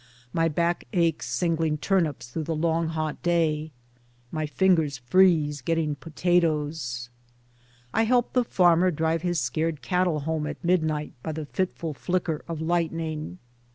My back aches singling turnips through the long hot day; my fingers freeze getting potatoes. I help the farmer drive his scared cattle home at midnight by the fitful flicker of lightning.